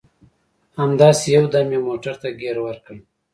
همداسې یو دم یې موټر ته ګیر ورکړ.